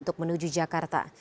untuk menuju jakarta